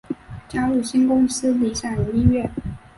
加入新公司理响音乐。